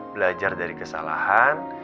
belajar dari kesalahan